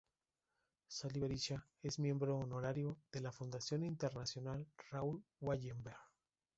Sali Berisha es Miembro Honorario de la Fundación Internacional Raoul Wallenberg.